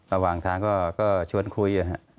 ระหว่างทางก็ชวนคุย